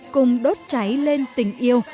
cùng đốt cháy lên tình yêu